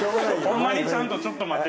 ホンマにちゃんと「ちょっと待って」